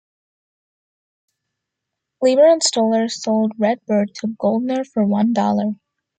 Leiber and Stoller sold Red Bird to Goldner for one dollar.